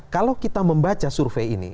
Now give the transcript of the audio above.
kalau kita membaca survei ini